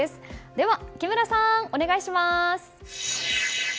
では木村さん、お願いします。